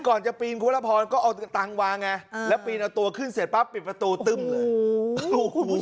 ก่อนจะปีนคุณละพรก็เอาตังค์วางไงแล้วปีนเอาตัวขึ้นเสร็จปั๊บปิดประตูตึ้มเลยโอ้โห